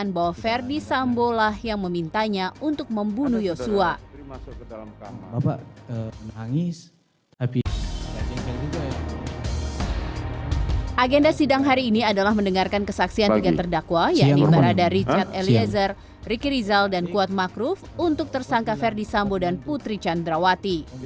berada richard eliezer ricky rizal dan kuat makruf untuk tersangka ferdi sambo dan putri candrawati